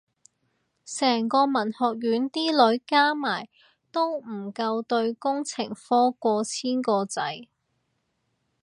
成個文學院啲女加埋都唔夠對工程科過千個仔